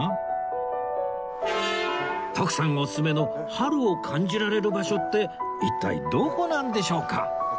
徳さんおすすめの春を感じられる場所って一体どこなんでしょうか？